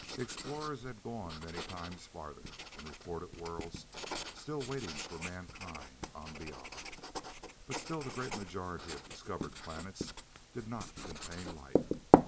Explorers had gone many times farther, and reported worlds still waiting for mankind on beyond. But still the great majority of discovered planets did not contain life.